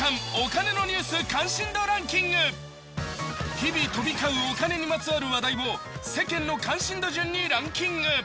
日々飛び交うお金にまつわる話題を世間の関心度順にランキング。